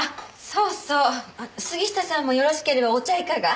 そうそう杉下さんもよろしければお茶いかが？